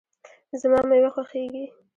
زما مېوه خوښیږي